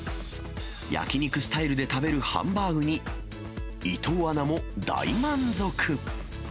焼き肉スタイルで食べるハンバーグに、伊藤アナも大満足。